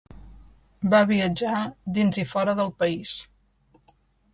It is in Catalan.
Va viatjar dins i fora del país.